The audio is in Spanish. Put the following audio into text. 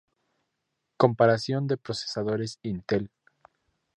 Comparación de procesadores Intel